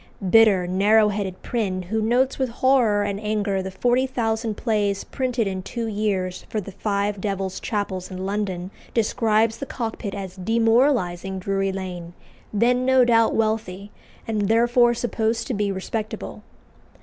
Bitter, narrow headed Prynne, who notes with horror and anger the forty thousand plays printed in two years for the five Devil's chapels in London, describes the Cockpit as demoralising Drury Lane, then no doubt wealthy, and therefore supposed to be respectable.